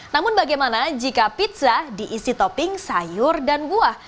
namun bagaimana jika pizza diisi topping sayur dan buah